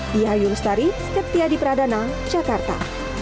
di hayung stari skeptia di pradana jakarta